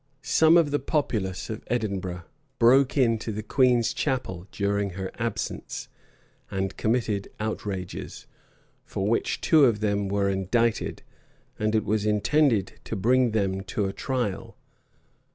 [*] Some of the populace of Edinburgh broke into the queen's chapel during her absence, and committed outrages; for which two of them were indicted, and it was intended to bring them to a trial.